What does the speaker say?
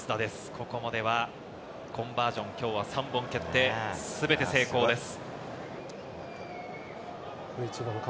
ここまではコンバージョン、きょうは３本蹴ってすべて成功です。